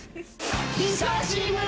久しぶり！